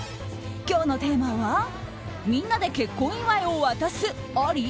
今日のテーマはみんなで結婚祝いを渡すあり？